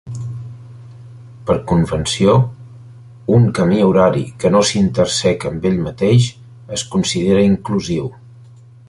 Per convenció, un camí horari que no s'interseca amb ell mateix es considera inclusiu.